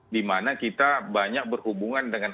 dimana kita banyak berhubungan dengan